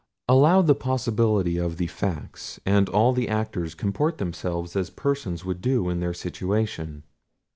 Allow the possibility of the facts, and all the actors comport themselves as persons would do in their situation.